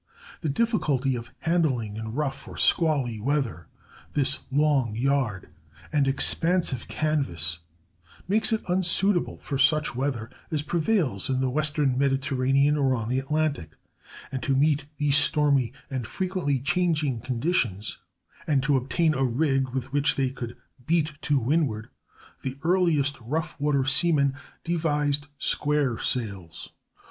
The difficulty of handling in rough or squally weather this long yard and expansive canvas makes it unsuitable for such weather as prevails in the western Mediterranean or on the Atlantic; and to meet these stormy and frequently changing conditions, and obtain a rig with which they could beat to windward, the earliest rough water seamen devised square sails.